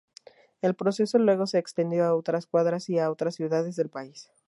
El proceso luego se extendió a otras cuadras y a otras ciudades del país.